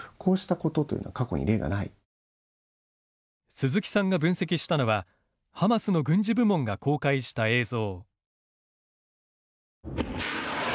鈴木さんが分析したのはハマスの軍事部門が公開した映像。